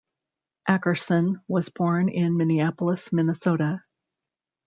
Akerson was born in Minneapolis, Minnesota.